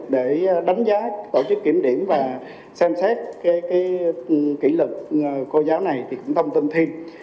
để đánh giá tổ chức kiểm điểm và xem xét cái kỷ lực cô giáo này thì cũng thông tin thêm